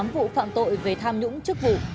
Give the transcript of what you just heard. hai trăm chín mươi tám vụ phạm tội về tham nhũng trước vụ